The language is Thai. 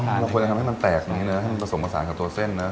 มาเราควรจะทำให้มันแตกอย่างนี้นึงเนอะให้มันผสมผสานกับตัวเส้นเนอะ